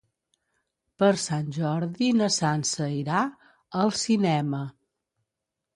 Per Sant Jordi na Sança irà al cinema.